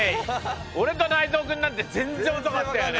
俺と内藤くんなんて全然遅かったよね。